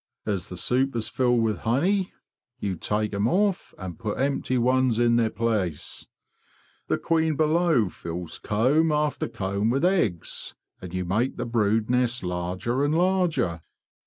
As the supers fill with honey you take them off and put empty ones in their place. The queen below fills comb after comb with eggs, and you make the brood nest larger and larger.